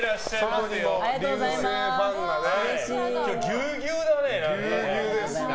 ぎゅうぎゅうだね。